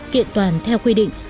kiện toàn theo quy định